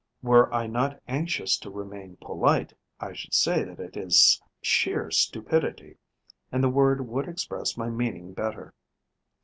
Were I not anxious to remain polite, I should say that it is sheer stupidity; and the word would express my meaning better.